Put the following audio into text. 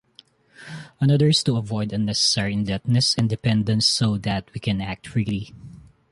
Another is to avoid unnecessary indebtedness and dependence so that we can act freely.